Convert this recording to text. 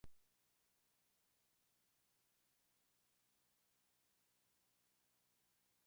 Al terminar su mandato le sucedió Apio Claudio Nerón.